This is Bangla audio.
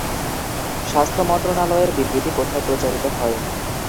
স্বাস্থ্য মন্ত্রণালয়ের বিবৃতি কোথায় প্রচারিত হয়?